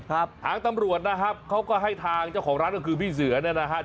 ทางตำรวจนะครับเขาก็ให้ทางเจ้าของร้านก็คือพี่เสือเนี่ยนะฮะ